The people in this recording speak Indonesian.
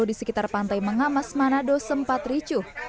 di sekitar pantai mengamas manado sempat ricuh